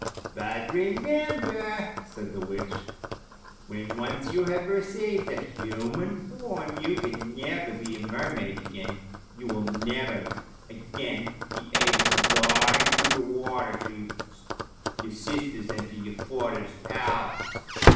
" But remember," said the witch, " when once you have received a human form, you can never be a mermaid again, you will never again be able to dive down through the water to your sisters and to your father's palace.